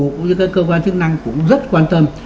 cũng như các cơ quan chức năng cũng rất quan tâm